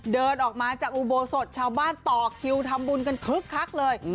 เดินออกมาจากอุโบสถชาวบ้านต่อคิวทำบุญกันคึกคักเลย